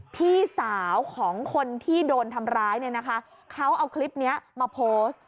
พี่สาวของคนที่โดนทำร้ายเอาคลิปนี้มาโพสต์